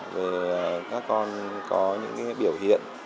về các con có những biểu hiện